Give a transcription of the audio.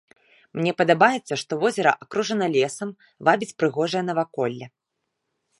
Мне падабаецца, што возера акружана лесам, вабіць прыгожае наваколле.